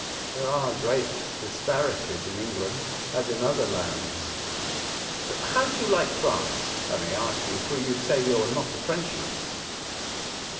There are great disparities in England as in other lands. How do you like France ? I may ask you ; for you say you are not a Frenchman."